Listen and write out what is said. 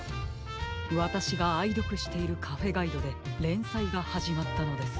わたしがあいどくしているカフェガイドでれんさいがはじまったのです。